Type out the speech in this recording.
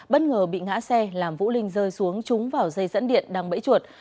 bất ngờ bị ngã xe làm vũ linh rơi xuống trúng vào dây dẫn điện đang bẫy chuột